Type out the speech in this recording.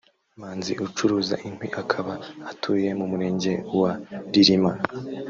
Manzi ucuruza inkwi akaba atuye mu murenge wa Ririma